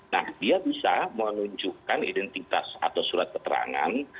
nah dia bisa menunjukkan identitas atau surat keterangan